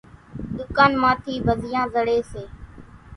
ۮُڪانَ مان ٿِي ڀزِيان زڙيَ سي۔